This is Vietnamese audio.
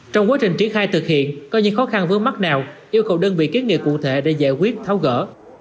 trong quá trình triển khai thực hiện có những khó khăn vướng mắt nào yêu cầu đơn vị kiến nghị cụ thể để giải quyết tháo gỡ